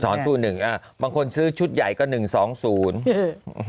สู้หนึ่งอ่าบางคนซื้อชุดใหญ่ก็หนึ่งสองศูนย์อืม